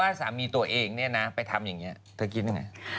สามีตัวเองเนี่ยนะไปทำอย่างนี้เธอกินยังไง